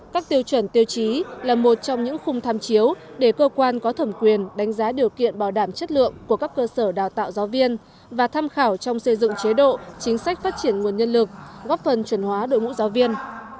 các tiêu chuẩn tiêu chí là một trong những khung tham chiếu để cơ quan có thẩm quyền đánh giá điều kiện bảo đảm chất lượng của các cơ sở đào tạo giáo viên và tham khảo trong xây dựng chế độ chính sách phát triển nguồn nhân lực góp phần chuẩn hóa đội ngũ giáo viên